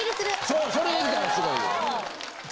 そうそれできたらすごい。